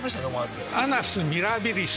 アナス・ミラビリス。